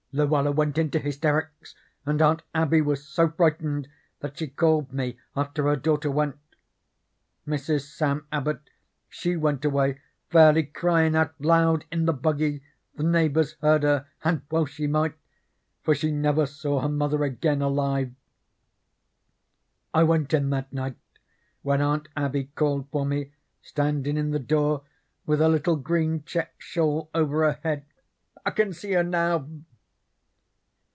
Luella went into hysterics, and Aunt Abby was so frightened that she called me after her daughter went. Mrs. Sam Abbot she went away fairly cryin' out loud in the buggy, the neighbours heard her, and well she might, for she never saw her mother again alive. I went in that night when Aunt Abby called for me, standin' in the door with her little green checked shawl over her head. I can see her now.